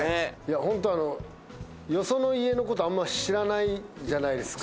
ほんとよその家の事あんま知らないじゃないですか。